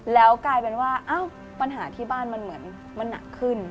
แล้วกลายเป็นว่าปัญหาที่บ้านมันเหมือนมันหนักขึ้น